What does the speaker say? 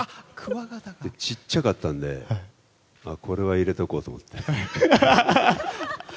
で、小っちゃかったんで、これは入れておこうと思って。